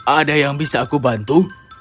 ada yang bisa aku bantu